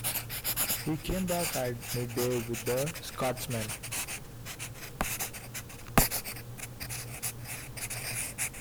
He came back at midday with the Scotsman.